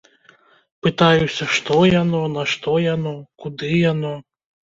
Пытаюся, што яно, нашто яно, куды яно.